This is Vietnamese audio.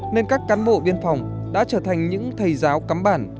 nên các cán bộ biên phòng đã trở thành những thầy giáo cắm bản